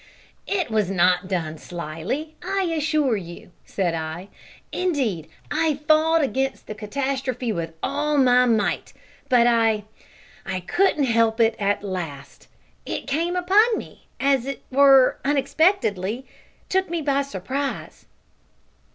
"It was not done slily, I assure you," said I; "indeed, I fought against the catastrophe with all my might but I I could not help it at last; it came upon me, as it were, unexpectedly took me by surprise."